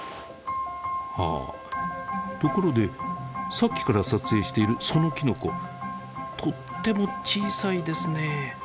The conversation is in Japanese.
ところでさっきから撮影しているそのきのことっても小さいですね。